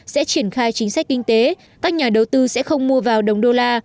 sẽ triển khai chính sách kinh tế các nhà đầu tư sẽ không mua vào đồng đô la